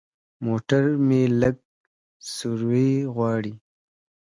موټر مې لږ سروي غواړي.